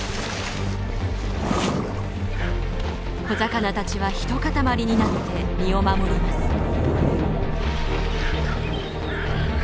小魚たちは一塊になって身を守ります。